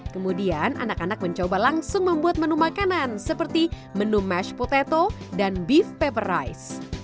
kemudian anak anak mencoba langsung membuat menu makanan seperti menu mashed potato dan beef pepper rice